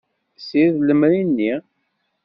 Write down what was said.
Sired lemri-nni.